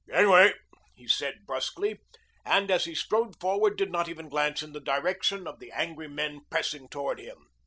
"Gangway!" he said brusquely, and as he strode forward did not even glance in the direction of the angry men pressing toward him.